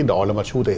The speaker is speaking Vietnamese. đó là mặt xu thế